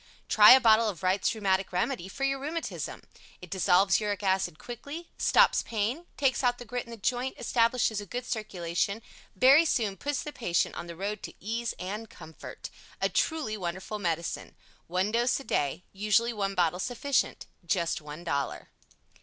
Try a bottle of WRIGHT'S RHEUMATIC REMEDY for your rheumatism. It dissolves Uric acid quickly, stops pain, takes out the grit in the joint, establishes a good circulation, very soon puts the patient on the road to ease and comfort. A truly wonderful medicine. One dose a day. Usually one bottle sufficient. Just one Dollar.